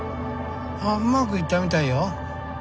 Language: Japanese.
あぁうまくいったみたいよ。